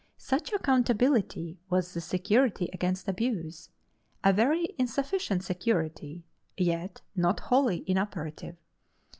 Such accountability was the security against abuse a very insufficient security, yet not wholly inoperative.